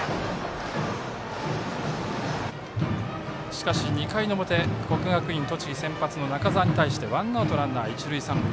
しかし２回の表、国学院栃木先発の中澤に対してワンアウト、ランナー、一塁三塁。